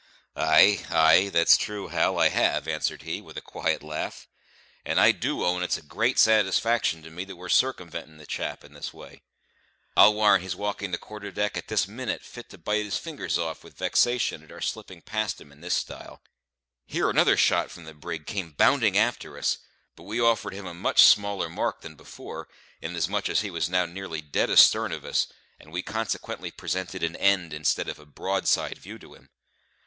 "Ay, ay, that's true, Hal, I have," answered he, with a quiet laugh; "and I do own it's a great satisfaction to me that we're carcumventin' the chap this a way. I'll warrant he's walking the quarter deck at this minute fit to bite his fingers off wi' vexation at our slipping past him in this style." Here another shot from the brig came bounding after us; but we offered him a much smaller mark than before, inasmuch as he was now nearly dead astern of us, and we consequently presented an end instead of a broadside view to him.